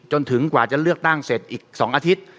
จนถึงกว่าจะเลือกตั้งเสร็จอีก๒อาทิตย์